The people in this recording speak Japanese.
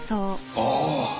ああ